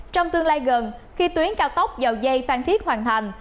trong tương lai gần khi tuyến cao tốc dầu dây phan thiết hoàn thành